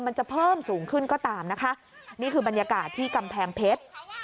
มันจะเพิ่มสูงขึ้นก็ตามนะคะนี่คือบรรยากาศที่กำแพงเพชร